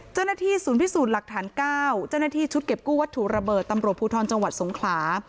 เจ้าหน้าที่ศูนย์พิสูจน์หลักฐาน๙เจ้าหน้าที่ชุดเก็บกู้วัตถุระเบิดตำรวจภูทรจังหวัดสงขลา